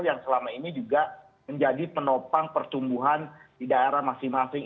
yang selama ini juga menjadi penopang pertumbuhan di daerah masing masing